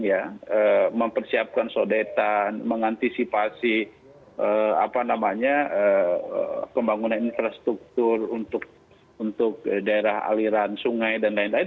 ya mempersiapkan sodetan mengantisipasi pembangunan infrastruktur untuk daerah aliran sungai dan lain lain